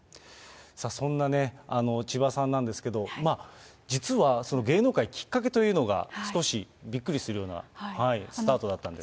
そんなね、千葉さんなんですけど、実はその芸能界のきっかけというのが、少しびっくりするようなスタートだったんです。